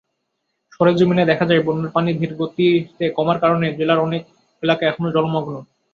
সরেজমিনে দেখা যায়, বন্যার পানি ধীরগতিতে কমার কারণে জেলার অনেক এলাকা এখনো জলমগ্ন।